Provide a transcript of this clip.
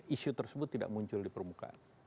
isu tersebut tidak muncul di permukaan